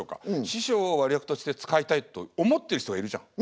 師匠を悪役として使いたいと思ってる人がいるじゃん。